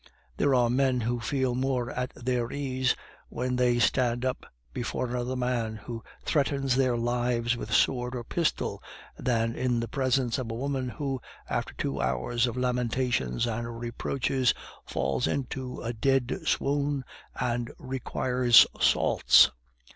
There are men who feel more at their ease when they stand up before another man who threatens their lives with sword or pistol than in the presence of a woman who, after two hours of lamentations and reproaches, falls into a dead swoon and requires salts.